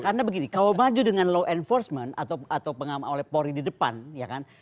karena begini kalau maju dengan law enforcement atau pengamal oleh pori di depan ya kan